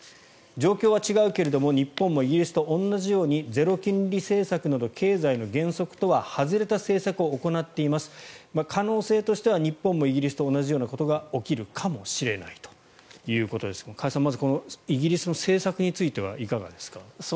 状況は違うけども日本もイギリスと同じようにゼロ金利政策など経済の原則とは外れた政策を行っています可能性としては日本もイギリスと同じことが起きるかもしれないということですが加谷さん、まずはイギリスの政策についてはいかがですか？